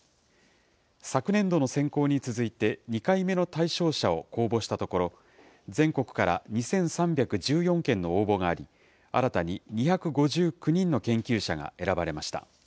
昨年度の選考に続いて、２回目の対象者を公募したところ、全国から２３１４件の応募があり、新たに２５９人の研究者が選ばれました。